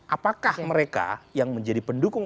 apakah mereka yang menjadi pendukung